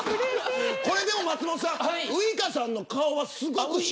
これでも、松本さんウイカさんの顔はすごく。